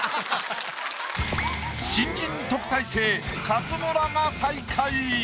新人特待生勝村が最下位。